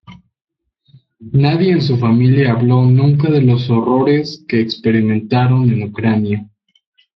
Nadie en su familia habló nunca de los horrores que experimentaron en Ucrania.